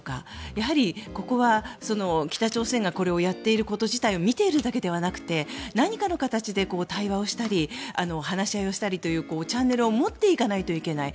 やはりここは、北朝鮮がこれをやっていること自体を見ているだけではなくて何かの形で対話をしたり話し合いをしたりというチャンネルを持っていかないといけない。